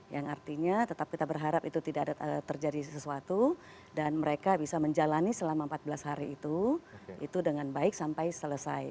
yang artinya tetap kita berharap itu tidak terjadi sesuatu dan mereka bisa menjalani selama empat belas hari itu itu dengan baik sampai selesai